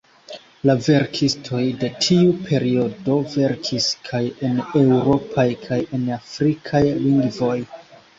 La verkistoj de tiu periodo verkis kaj en eŭropaj kaj en afrikaj lingvoj.